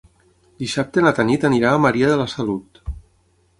Dissabte na Tanit anirà a Maria de la Salut.